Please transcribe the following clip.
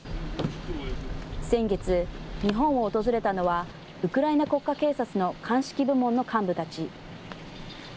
先月、日本を訪れたのは、ウクライナ国家警察の鑑識部門の幹部たち。